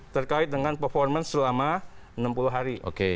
terkait dengan performance selama enam puluh hari